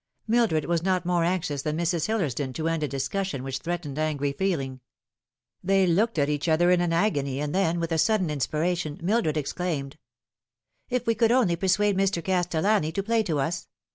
Mildred was not more anxious than Mrs. Hillersdon to end a discussion which threatened angry feeling. They looked at each other in an agony, and then, with a sudden inspiration, Mildred exclaimed, " If we could only persuade Mr. Castellani to play to us